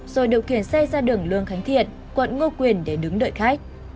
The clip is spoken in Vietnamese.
rồi điều khiển xe ra đường lương khánh thiện quận ngô quyền để đứng đợi khách